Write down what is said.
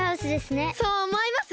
そうおもいます？